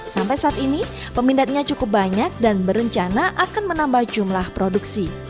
sampai saat ini peminatnya cukup banyak dan berencana akan menambah jumlah produksi